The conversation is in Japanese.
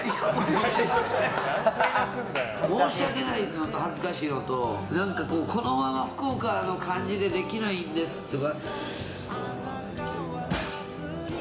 申し訳ないのと恥ずかしいのと何か、このまま福岡の感じでできないんですとか。